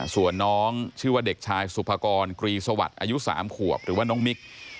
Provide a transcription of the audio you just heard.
ส่วนน้องชื่อว่าเด็กชายสุภากรกรีสวัสดิ์อายุ๓ขวบหรือว่าน้องมิก